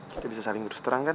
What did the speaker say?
kita bisa saling terus terang kan